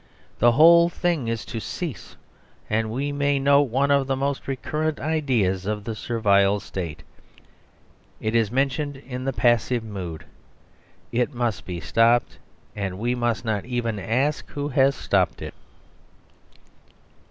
The thing is to cease, and we may note one of the most recurrent ideas of the servile State: it is mentioned in the passive mood. It must be stopped, and we must not even ask who has stopped it!